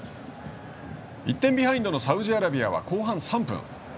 １点ビハインドのサウジアラビアは後半３分。